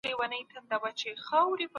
په تولید کي به عصري ټیکنالوژي کارول سوې وي.